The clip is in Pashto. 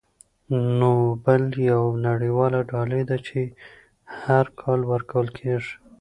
نوبل یوه نړیواله ډالۍ ده چې هر کال ورکول کیږي.